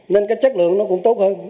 nên cái chất lượng nó cũng tốt hơn